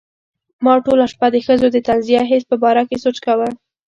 ما ټوله شپه د ښځو د طنزیه حس په باره کې سوچ کاوه.